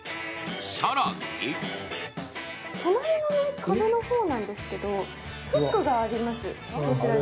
更に隣の壁の方なんですけど、フックがあります、こちらに。